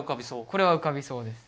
これはうかびそうです。